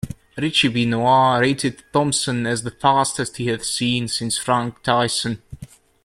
Richie Benaud rated Thomson as the fastest he had seen since Frank Tyson.